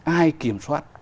ai kiểm soát